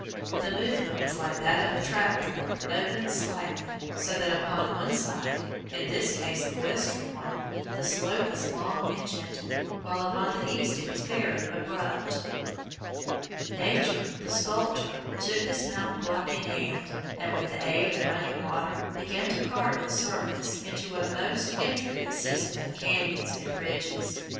The movement was like that of a trap door opened slightly, so that upon one side in this case the western one the slope was long and gentle, while upon the east it was very abrupt. [Illustration: FIG. 14. THE YOSEMITE VALLEY] Nature, the sculptor, took this mountain block in hand, and with the aid of running water began to carve its surface into a most intricate system of cañons and ridges.